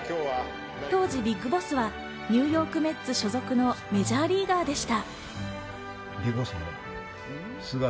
当時ＢＩＧＢＯＳＳはニューヨーク・メッツ所属のメジャーリーガーでした。